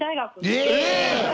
えっ！？